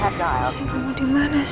kayak baru tycker